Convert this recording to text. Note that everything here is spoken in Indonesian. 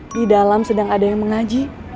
di dalam sedang ada yang mengaji